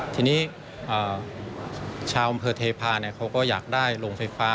ทีนี้ชาวอำเภอเทพาะเขาก็อยากได้โรงไฟฟ้า